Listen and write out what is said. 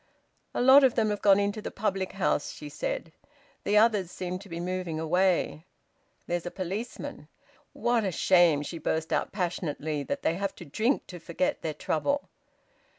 "A lot of them have gone into the public house," she said. "The others seem to be moving away. There's a policeman. What a shame," she burst out passionately, "that they have to drink to forget their trouble!"